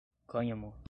cânhamo